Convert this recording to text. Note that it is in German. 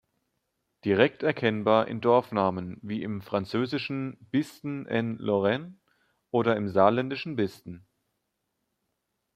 Direkt erkennbar in Dorfnamen wie im französischen Bisten-en-Lorraine oder saarländischen Bisten.